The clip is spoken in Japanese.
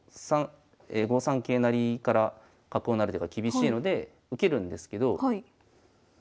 ５三桂成から角を成る手が厳しいので受けるんですけど。